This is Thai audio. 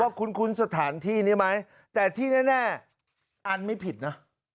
ว่าคุ้นคุ้นสถานที่นี่ไหมแต่ที่แน่แน่อันไม่ผิดนะ